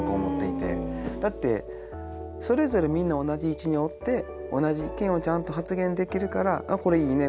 だってそれぞれみんな同じ位置におって同じ意見をちゃんと発言できるから「これいいね」